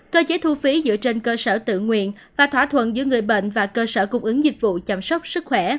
cơ chế thu phí dựa trên cơ sở tự nguyện và thỏa thuận giữa người bệnh và cơ sở cung ứng dịch vụ chăm sóc sức khỏe